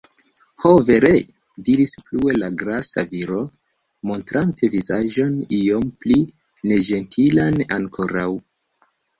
Ho, vere!? diris plue la grasa viro, montrante vizaĝon iom pli neĝentilan ankoraŭ.